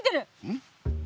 ん？